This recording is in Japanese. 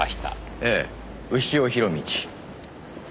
ええ潮弘道。